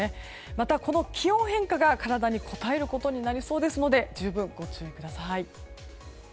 また、この気温変化が体にこたえることになりそうですので十分ご注意ください。